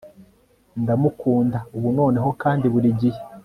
ndamukunda ubu, noneho, kandi burigihe